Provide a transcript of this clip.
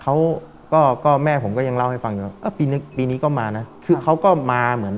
เขาก็ก็แม่ผมก็ยังเล่าให้ฟังอยู่ว่าปีนี้ปีนี้ก็มานะคือเขาก็มาเหมือน